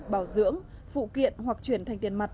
bảo dưỡng phụ kiện hoặc chuyển thành tiền mặt